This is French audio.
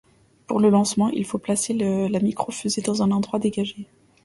Pour le lancement il faut placer la microfusée dans un endroit dégagé.